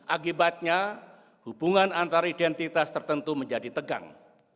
akibatnya hubungan antar identitas tertentu menjadi tegang